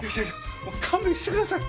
もう勘弁してください！